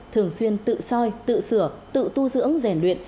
thường xuyên tự soi tự sửa tự tu dưỡng rèn luyện